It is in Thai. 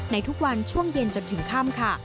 ทุกวันช่วงเย็นจนถึงค่ำค่ะ